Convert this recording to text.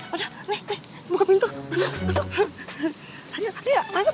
udah nih nih buka pintu masuk masuk